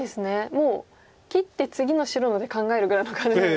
もう切って次の白の手考えるぐらいなのかなと。